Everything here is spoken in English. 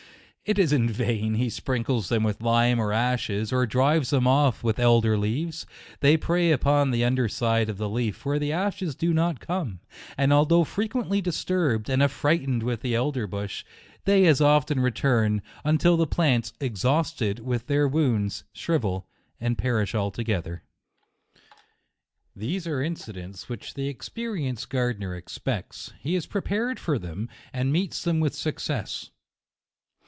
It is in vain he sprinkles them with lime or ashes, or drives them off with elder leaves ; they prey upon the under side of the leaf, where the ashes do not come, and although frequently disturbed and affrighted with the elder bush, they as often return, un til the plants, exhausted with their wounds, shrivel and perish altogether. These are incidents which the experienced gardener expects ; he is prepared for them, and meets them with success.